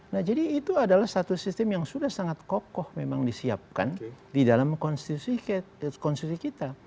nah jadi itu adalah satu sistem yang sudah sangat kokoh memang disiapkan di dalam konstitusi kita